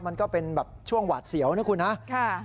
มันก็เป็นแบบช่วงหวาดเสียวนะครับ